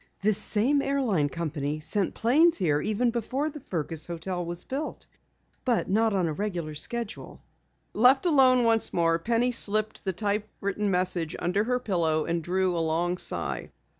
"This same airline company sent planes here even before the Fergus hotel was built, but not on a regular schedule." Left alone once more, Penny slipped the typewritten message under her pillow and drew a long sigh.